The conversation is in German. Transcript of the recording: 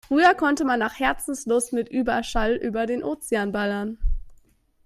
Früher konnte man nach Herzenslust mit Überschall über den Ozean ballern.